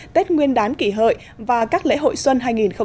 tết nguyên đán kỷ hợi và các lễ hội xuân hai nghìn một mươi chín